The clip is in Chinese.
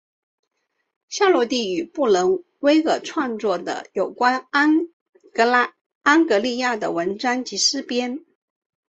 夏绿蒂与布伦威尔创作了有关安格利亚的文章及诗篇。